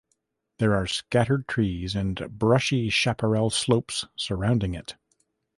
There are scattered trees and brushy chaparral slopes surrounding it.